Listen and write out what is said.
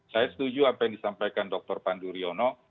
saya setuju apa yang disampaikan dr panduryono